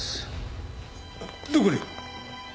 どこに？